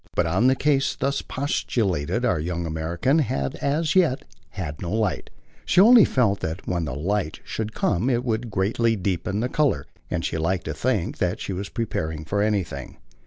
But on the case thus postulated our young American had as yet had no light: she only felt that when the light should come it would greatly deepen the colour; and she liked to think she was prepared for anything.